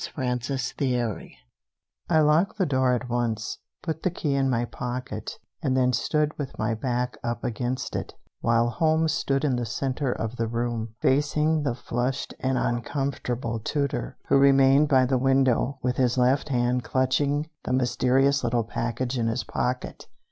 CHAPTER XII I locked the door at once, put the key in my pocket, and then stood with my back up against it, while Holmes stood in the center of the room, facing the flushed and uncomfortable Tooter, who remained by the window, with his left hand clutching the mysterious little package in his pocket.